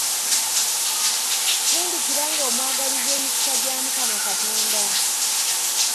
Fundikira ng'omwagaliza emikisa gya Mukama Katonda.